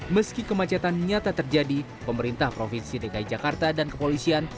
meski kemacetan nyata terjadi pemerintah provinsi dki jakarta dan kepolisian